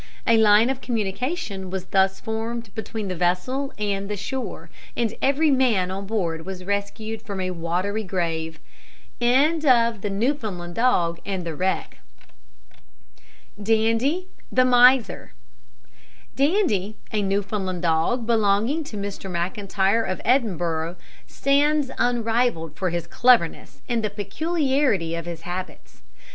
A line of communication was thus formed between the vessel and the shore, and every man on board was rescued from a watery grave. DANDIE, THE MISER. Dandie, a Newfoundland dog belonging to Mr McIntyre of Edinburgh, stands unrivalled for his cleverness and the peculiarity of his habits.